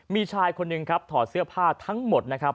มีชายคนหนึ่งครับถอดเสื้อผ้าทั้งหมดนะครับ